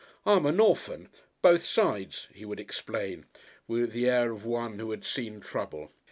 "I'm a Norfan, both sides," he would explain, with the air of one who had seen trouble.